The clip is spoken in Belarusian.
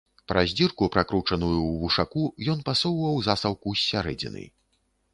Праз дзірку, пракручаную ў вушаку, ён пасоўваў засаўку з сярэдзіны.